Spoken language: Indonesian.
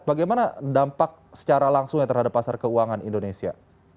bagaimana dampak secara langsungnya terhadap pasar keuangan indonesia